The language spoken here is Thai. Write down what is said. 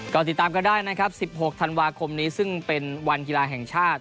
ก็ติดตามกันได้นะครับ๑๖ธันวาคมนี้ซึ่งเป็นวันกีฬาแห่งชาติ